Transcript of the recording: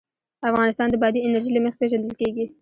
افغانستان د بادي انرژي له مخې پېژندل کېږي.